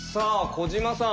小島さん。